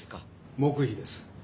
黙秘です。